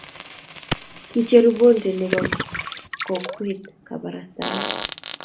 Kicheruu bonte ne bo kokwee kabarastae.